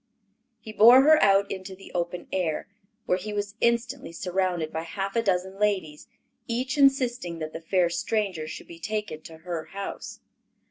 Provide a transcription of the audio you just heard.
He bore her out into the open air, where he was instantly surrounded by half a dozen ladies, each insisting that the fair stranger should be taken to her house.